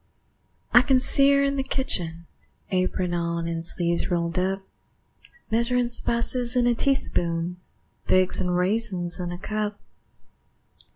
I can see her in the kitchen, Apron on and sleeves rolled up, Measurin' spices in a teaspoon, Figs and raisins in a cup.